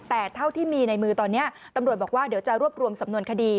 แต่เท่าที่มีในมือตอนนี้ตำรวจบอกว่าเดี๋ยวจะรวบรวมสำนวนคดี